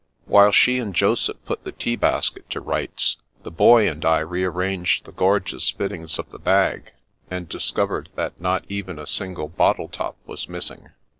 While she and Joseph put the tea basket to rights, the boy and I rearranged the gor geous fittings of the bag, and discovered that not even a single bottle top was missing.